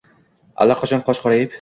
Allaqachon qosh qorayib